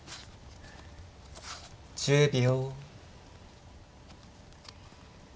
１０秒。